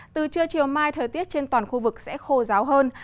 từ trưa chiều mai thời tiết trên toàn khu vực sẽ khô ráo hơn